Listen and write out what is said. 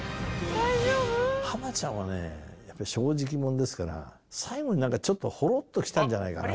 浜ちゃんはね、やっぱり正直者ですから、最後になんか、ちょっとほろっときたんじゃないかな。